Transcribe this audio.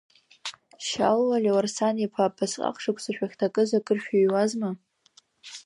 Шьалуа Леуарсан-иԥа, абасҟак шықәса шәахьҭакыз акыр шәыҩуазма?